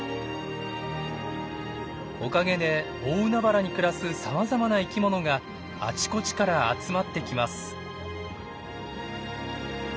おかげで大海原に暮らすさまざまな生きものがあちこちから集まってきます。